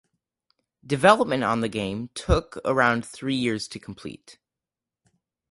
Development on the game took around three years to complete.